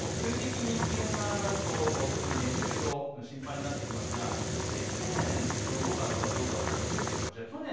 急激に気温が上がると特に熱中症、心配になってきますが去年の５月はどうだったでしょうか。